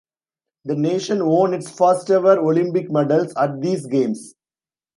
The nation won its first ever Olympic medals at these Games.